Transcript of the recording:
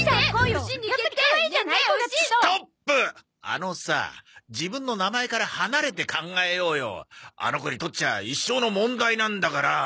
あのさ自分の名前から離れて考えようよ。あの子にとっちゃ一生の問題なんだから。